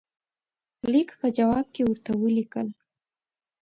لیک په جواب کې ورته ولیکل.